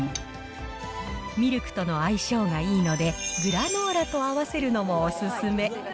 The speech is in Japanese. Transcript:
ミルクとの相性がいいので、グラノーラと合わせるのもお勧め。